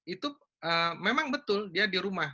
itu memang betul dia di rumah